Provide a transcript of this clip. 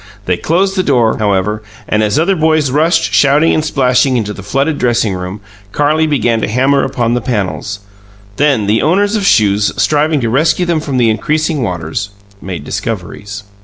They closed the door, however, and, as other boys rushed, shouting and splashing, into the flooded dressing room, Carlie began to hammer upon the panels. Then the owners of shoes, striving to rescue them from the increasing waters, made discoveries.